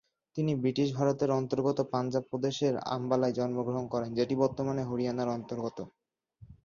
তিনি ব্রিটিশ ভারতের অন্তর্গত পাঞ্জাব প্রদেশের আম্বালায় জন্মগ্রহণ করেন, যেটি বর্তমানে হরিয়ানার অন্তর্গত।